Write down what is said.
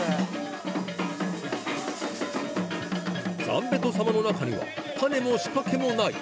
ザンベト様の中には種も仕掛けもない